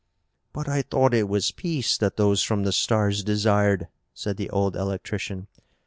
"But I thought it was peace that those from the stars desired," said the old electrician.